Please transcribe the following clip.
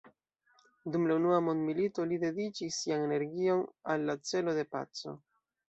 Dum la Unua mondmilito li dediĉis sian energion al la celo de paco.